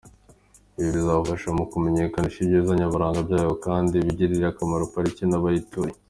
Ibi bizafasha mu kumenyekanisha ibyiza nyaburanga byayo, kandi bigirire akamaro Pariki n’abayituriye.